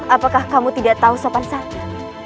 apakah kamu tidak tahu sopan saya